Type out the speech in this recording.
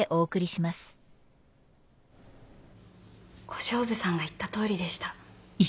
小勝負さんが言ったとおりでした。